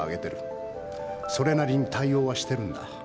それなりに対応はしてるんだ。